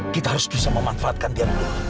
kita harus bisa memanfaatkan dia dulu